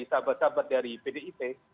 sahabat sahabat dari pdip